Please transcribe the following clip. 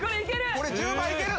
これ１０万いける！